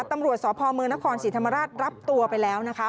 ตำรวจสพเมืองนครศรีธรรมราชรับตัวไปแล้วนะคะ